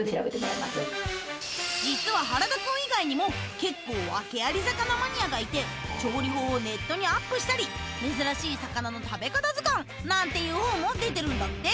実は原田くん以外にも結構ワケアリ魚マニアがいて調理法をネットにアップしたり珍しい魚の食べ方図鑑なんていう本も出てるんだって